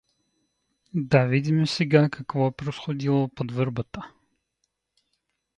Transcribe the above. Да видиме сега какво е произходило под върбата.